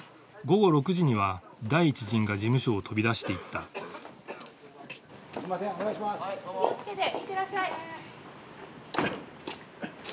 午後６時には第一陣が事務所を飛び出していったすいません。